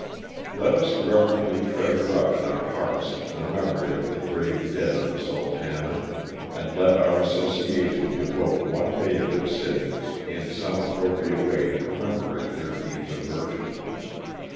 Let us reverently treasure up in our hearts the memory of the brave dead of the "Sultana," and let our Association devote one day of its sittings in some appropriate way to commemorate their deeds of virtue.